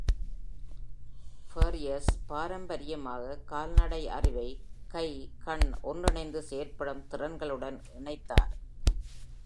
ஃபாரியர்ஸ் பாரம்பரியமாக கால்நடை அறிவை கை-கண் ஒன்றிணைந்து செயல்படும் திறன்களுடன் இணைத்தார்.